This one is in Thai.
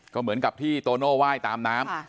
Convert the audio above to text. ก็เหมือนกับที่โตโน่ไหว้ตามน้ำ